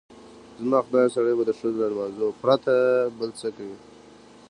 زما خدایه سړی به د ښځو له لمانځلو پرته بل څه کوي؟